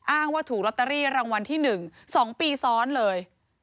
อ้างว่าถูกลอตเตอรี่รางวัลที่๑๒ปีซ้อนเลย